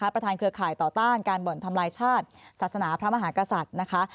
เครือข่ายต่อต้านการบ่อนทำลายชาติศาสนาพระมหากษัตริย์นะคะ